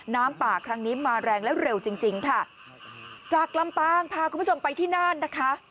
น้ำป่าครั้งนี้มาแรงและเร็วจริงจริงค่ะจากลำปางพาคุณผู้ชมไปที่น่านนะคะ